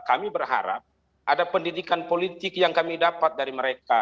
kami berharap ada pendidikan politik yang kami dapat dari mereka